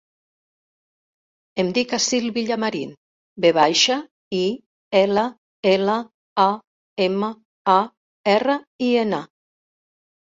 Em dic Assil Villamarin: ve baixa, i, ela, ela, a, ema, a, erra, i, ena.